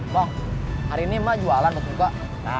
bang hari ini emang jualan kok tuka